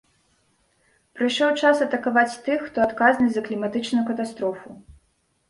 Прыйшоў час атакаваць тых, хто адказны за кліматычную катастрофу.